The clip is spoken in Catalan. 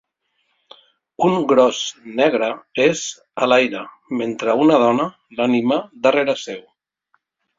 Un gros negre és a l'aire mentre una dona l'anima darrere seu.